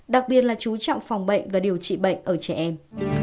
đặc biệt là chú trọng phòng bệnh và điều trị bệnh ở trẻ em